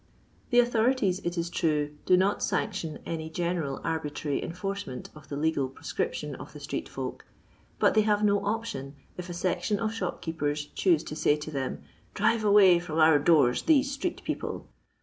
The authorities, it is true, do not sanction any general arbitrary enforcement of the legal pro scription of the Street Folk, but they have no option if a section of shopkeepers choose to say to them, " Drive away from our doors these street^people."